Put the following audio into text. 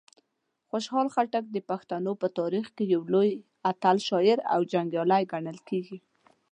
خوشحال خټک د پښتنو په تاریخ کې یو اتل شاعر او جنګیالی ګڼل کیږي.